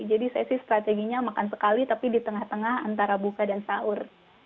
jadi saya sih strateginya makan sekali tapi di tengah tengah antara buka dan sahur